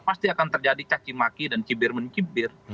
pasti akan terjadi cacimaki dan cibir mencibir